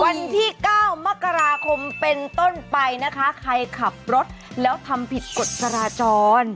วันที่เก้ามกราคมเป็นต้นไปนะคะใครขับรถแล้วทำผิดกฎจราจร